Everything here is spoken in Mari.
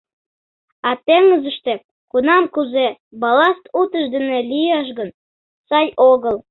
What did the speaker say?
А теҥызыште — кунам кузе: балласт утыж дене лиеш гын, сай огыл.